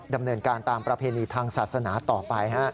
ดำเนินการตามประเพณีทางศาสนาต่อไป